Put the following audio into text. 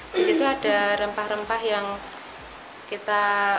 disitu ada rempah rempah yang kita